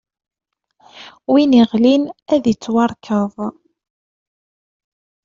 Win iɣlin ad ittwarkeḍ.